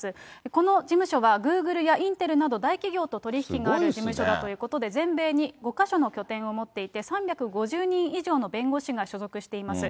この事務所は、グーグルやインテルなど大企業と取り引きがある事務所だということで、全米に５か所の拠点を持っていて、３５０人以上の弁護士が所属しています。